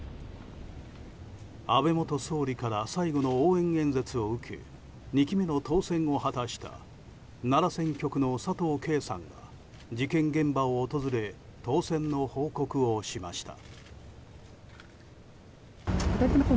安倍元総理から最後の応援演説を受け２期目の当選を果たした奈良選挙区の佐藤啓さんが事件現場を訪れ当選の報告をしました。